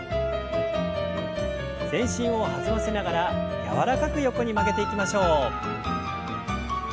全身を弾ませながら柔らかく横に曲げていきましょう。